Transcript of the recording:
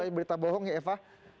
berita bohong ya eva